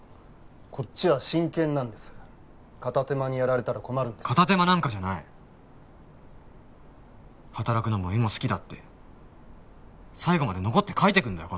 こっちは真剣なんです片手間にやられたら困るんです片手間なんかじゃない働くのも絵も好きだって最後まで残って描いてくんだよ